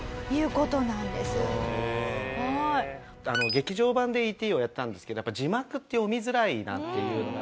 劇場版で『Ｅ．Ｔ．』をやったんですけどやっぱ字幕って読みづらいなっていうのが。